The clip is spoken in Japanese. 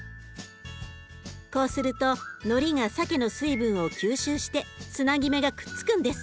こうするとのりがさけの水分を吸収してつなぎ目がくっつくんです。